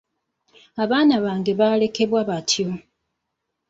Abaana bange baalekebwa ttayo.